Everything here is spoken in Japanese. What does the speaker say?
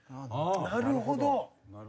なるほど！